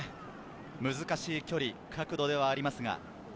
難しい距離、角度ではあります。